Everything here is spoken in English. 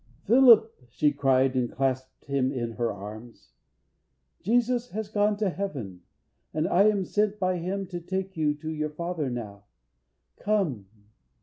"Philip," she cried, and clasped him in her arms, "Jesus has gone to heaven, and I am sent By Him to take you to your father now. Come!"